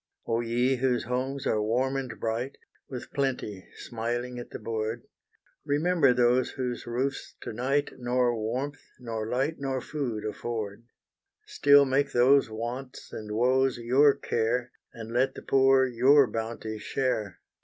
Oh ye, whose homes are warm and bright, With plenty smiling at the board, Remember those whose roofs to night, Nor warmth, nor light, nor food afford, Still make those wants, and woes your care, And let the poor your bounty share.